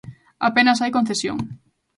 Apenas hai concesión.